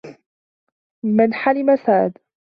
مَنْ حَلِمَ سَادَ